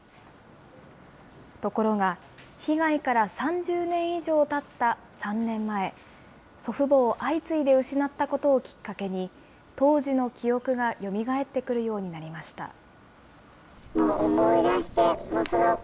ところが、被害から３０年以上たった３年前、祖父母を相次いで失ったことをきっかけに、当時の記憶がよみがえてくるようになりました。